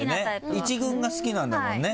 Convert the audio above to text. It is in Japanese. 一軍が好きなんだもんね